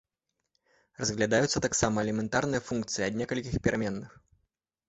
Разглядаюцца таксама элементарныя функцыі ад некалькіх пераменных.